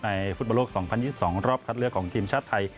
ฟุตบอลโลก๒๐๒๒รอบคัดเลือกของทีมชาติไทย